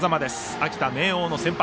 秋田・明桜の先発。